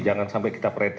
jangan sampai kita pereti